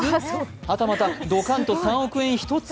はたまたドカンと３億円１つ？